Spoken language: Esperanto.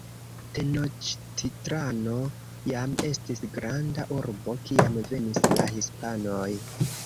Tenoĉtitlano jam estis granda urbo, kiam venis la Hispanoj.